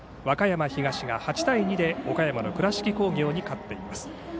和歌山東が８対２で岡山の倉敷工業に勝っています。